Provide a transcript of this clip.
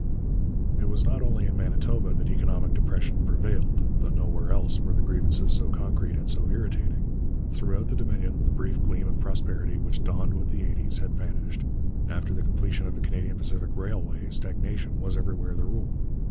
It was not only in Manitoba that economic depression prevailed, though nowhere else were the grievances so concrete and so irritating. Throughout the Dominion the brief gleam of prosperity which dawned with the eighties had vanished. After the completion of the Canadian Pacific Railway stagnation was everywhere the rule.